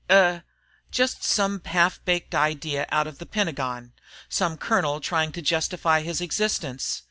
"Er just some half baked idea out of the Pentagon. Some colonel trying to justify his existence."